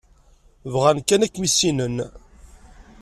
Bɣan kan ad kem-issinen.